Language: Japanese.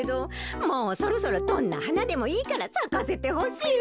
もうそろそろどんなはなでもいいからさかせてほしいわ。